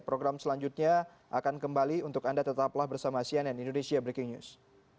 program selanjutnya akan kembali untuk anda tetaplah bersama cnn indonesia breaking news